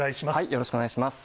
よろしくお願いします。